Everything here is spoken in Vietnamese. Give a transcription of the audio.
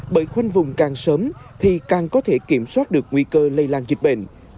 bởi khoanh vùng càng sớm thì càng có thể kiểm soát được nguy cơ lây lan dịch bệnh